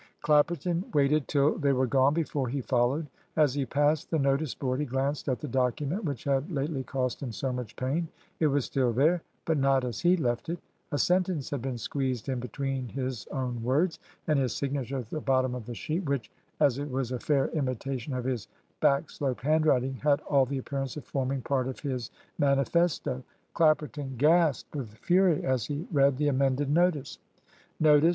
Clapperton waited till they were gone before he followed. As he passed the notice board he glanced at the document which had lately cost him so much pain. It was still there; but not as he left it. A sentence had been squeezed in between his own words and his signature at the bottom of the sheet, which, as it was a fair imitation of his back sloped handwriting, had all the appearance of forming part of his manifesto. Clapperton gasped with fury as he read the amended notice: "Notice.